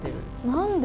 何で？